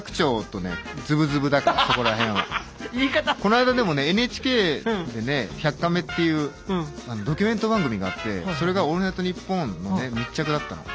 この間でもねＮＨＫでね「１００カメ」っていうドキュメント番組があってそれが「オールナイトニッポン」の密着だったの。